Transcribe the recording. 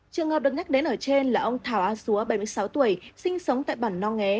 trường hợp được nhắc đến ở trên là ông thảo a xúa bảy mươi sáu tuổi sinh sống tại bản no nghé